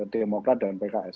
demokrat dan pks